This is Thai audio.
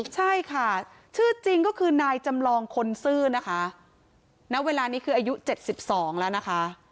ใช่ค่ะชื่อจริงก็คือนายจำลองคนซื่อนะคะณเวลานี้คืออายุ๗๒แล้วนะคะ